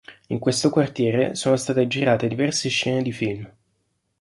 In questo quartiere sono state girate diverse scene di film.